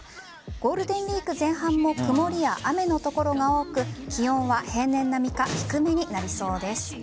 ゴールデンウイーク前半も曇りや雨の所が多く気温は平年並みか低めになりそうです。